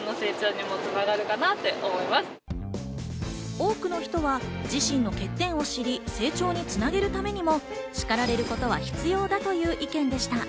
多くの人は、自身の欠点を知り、成長につなげるためにも叱られることは必要だという意見でした。